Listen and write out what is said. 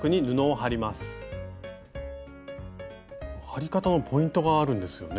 張り方のポイントがあるんですよね？